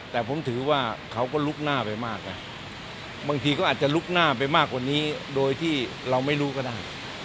แต่ผมถือว่าเขาก็ลุกหน้าไปมากนะบางทีก็อาจจะลุกหน้าไปมากกว่านี้โดยที่เราไม่รู้ก็ได้